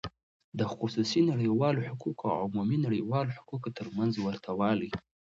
د خصوصی نړیوالو حقوقو او عمومی نړیوالو حقوقو تر منځ ورته والی :